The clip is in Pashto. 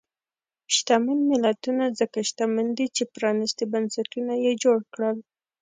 شتمن ملتونه ځکه شتمن دي چې پرانیستي بنسټونه یې جوړ کړل.